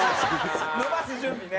伸ばす準備ね。